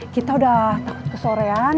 kita udah takut kesorean